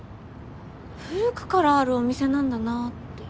古くからあるお店なんだなって。